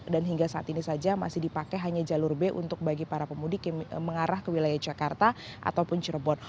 dan hingga saat ini saja masih dipakai hanya jalur b untuk bagi para pemudik yang mengarah ke wilayah jakarta ataupun cirebon